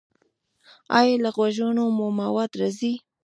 ایا له غوږونو مو مواد راځي؟